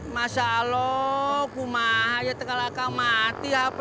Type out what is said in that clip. masya allah aku mahaknya tengah lakang mati hpt